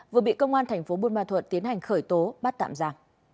vừa bị công an tp bun ma thuật tiến hành khởi tố bắt tạm giả